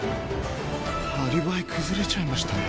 アリバイ崩れちゃいましたね。